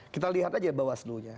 kita lihat aja bawah seluruhnya